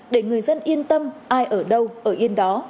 để người dân yên tâm ai ở đâu ở yên đó